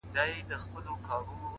نظم د بریالي ژوند چوکاټ دی.!